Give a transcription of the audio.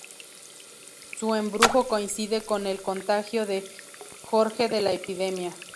Su embrujo coincide con el contagio de Jorge de la epidemia.